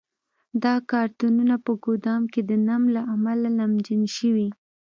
دا کارتنونه په ګدام کې د نم له امله نمجن شوي.